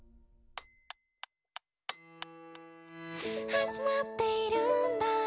「始まっているんだ